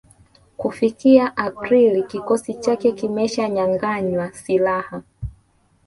Kufikia Aprili kikosi chake kimeshanyanganywa silaha